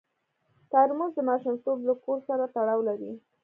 ترموز د ماشومتوب له کور سره تړاو لري.